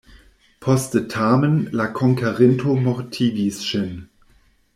Poste tamen, la konkerinto mortigis ŝin.